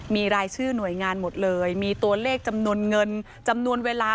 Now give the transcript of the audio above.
มีรายชื่อหน่วยงานหมดเลยมีตัวเลขจำนวนเงินจำนวนเวลา